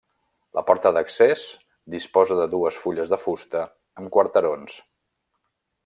La porta d'accés disposa de dues fulles de fusta amb quarterons.